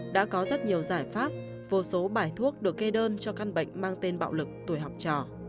đã có rất nhiều giải pháp vô số bài thuốc được kê đơn cho căn bệnh mang tên bạo lực tuổi học trò